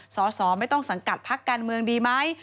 สอสอไม่ต้องสังกัดพักการเมืองดีไหม